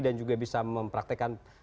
dan juga bisa mempraktekan